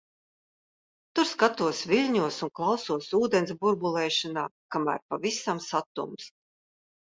Tur skatos viļņos un klausos ūdens burbulēšanā, kamēr pavisam satumst.